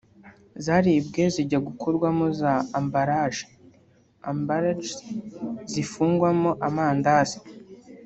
zaribwe zijya gukorwamo za ambalaje (emballages) zifungwamo amandazi